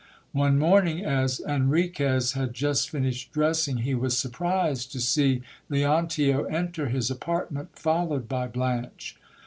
One morning, as Enriquez had just finished dressing, he was surprised to see Leontio enter his apartment, followed by Blanche.